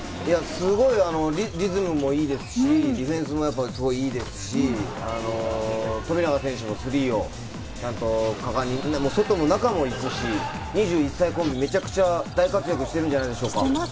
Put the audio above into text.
すごいリズムもいいですし、ディフェンスもすごいいいですし、富永選手もスリーをちゃんと果敢に外も中も行くし、２１歳コンビ、めちゃくちゃ大活躍してるんじゃないでしょうか。